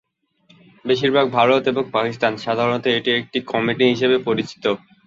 বেশিরভাগ ভারত এবং পাকিস্তানে, সাধারণত এটি একটি 'কমিটি' হিসাবে পরিচিত।